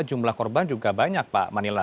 jumlah korban juga banyak pak manila